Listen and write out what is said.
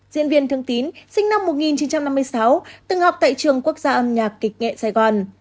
diễn viên thương tín sinh năm một nghìn chín trăm năm mươi sáu từng học tại trường quốc gia âm nhạc kịch nghệ sài gòn